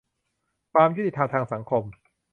ความยุติธรรมทางสังคม